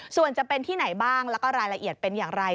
ส่วนจะเป็นที่ไหนบ้างแล้วก็รายละเอียดเป็นอย่างไร